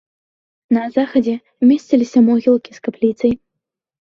На захадзе месціліся могілкі з капліцай.